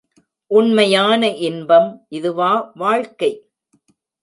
உண்மையான இன்பம் இதுவா வாழ்க்கை!